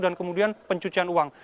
dan kemudian pencucian uang